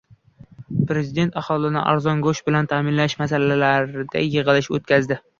Prezident aholini arzon go‘sht bilan ta’minlash masalasida yig‘ilish o‘tkazdi